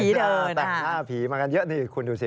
แต่งหน้าผีมากันเยอะนี่คุณดูสิ